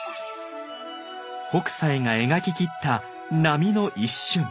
北斎が描ききった波の一瞬。